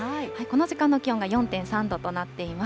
この時間の気温が４．３度となっています。